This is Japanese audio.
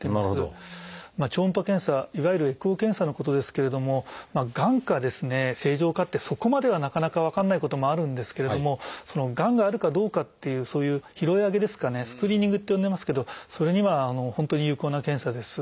超音波検査いわゆるエコー検査のことですけれどもがんか正常かってそこまではなかなか分からないこともあるんですけれどもがんがあるかどうかっていうそういう拾い上げですかね「スクリーニング」って呼んでますけどそれには本当に有効な検査です。